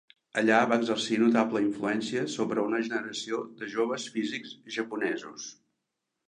Allà va exercir notable influència sobre una generació de joves físics japonesos.